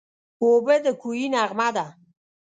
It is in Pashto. اوبه د کوهي نغمه ده.